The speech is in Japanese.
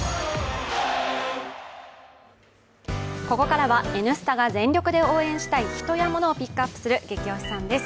個々からは「Ｎスタ」が全力で応援したい人やモノをピックアップするゲキ推しさんです。